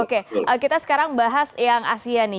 oke kita sekarang bahas yang asia nih